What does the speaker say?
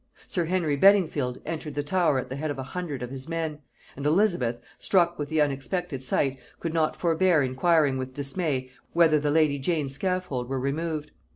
Sir Henry Beddingfield entered the Tower at the head of a hundred of his men; and Elizabeth, struck with the unexpected sight, could not forbear inquiring with dismay, whether the lady Jane's scaffold were removed?